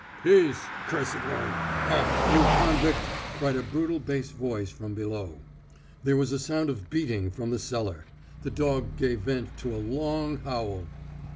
"Peace, cursed one! Ah, you convict!" cried a brutal bass voice from below. There was a sound of beating from the cellar. The dog gave vent to a long howl.